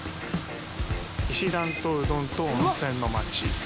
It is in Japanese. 「石段とうどんと温泉のまち」。